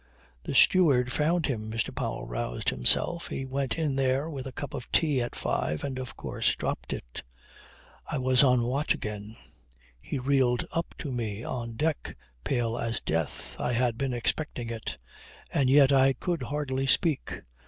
"The steward found him," Mr. Powell roused himself. "He went in there with a cup of tea at five and of course dropped it. I was on watch again. He reeled up to me on deck pale as death. I had been expecting it; and yet I could hardly speak.